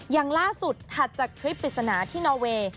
อย่างล่าสุดถัดจากคลิปปริศนาที่นอเวย์